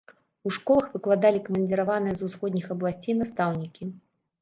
У школах выкладалі камандзіраваныя з усходніх абласцей настаўнікі.